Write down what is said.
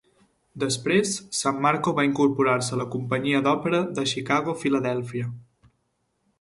Després, Sammarco va incorporar-se a la companyia d'òpera de Chicago-Philadelphia.